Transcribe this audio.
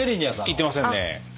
言ってませんね。